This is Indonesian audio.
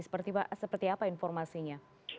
seperti apa informasinya